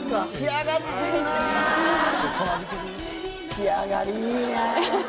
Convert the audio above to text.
仕上がりいいな。